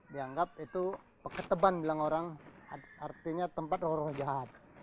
dianggap itu pekeban bilang orang artinya tempat roh roh jahat